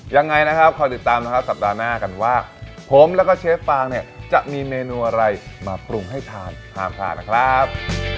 ยังไงนะครับคอยติดตามนะครับสัปดาห์หน้ากันว่าผมแล้วก็เชฟฟางเนี่ยจะมีเมนูอะไรมาปรุงให้ทานห้ามทานนะครับ